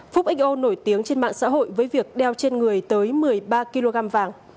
phúc xo nổi tiếng trên mạng xã hội với việc đeo trên người tới một mươi ba kg vàng